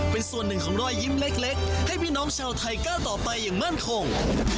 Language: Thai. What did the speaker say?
เป็นส่วนหนึ่งของรอยยิ้มเล็กให้พี่น้องชาวไทยก้าวต่อไปอย่างมั่นคง